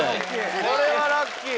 これはラッキー